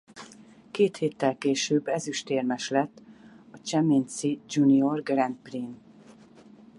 Két héttel később ezüstérmes lett a chemnitzi junior Grand Prix-n.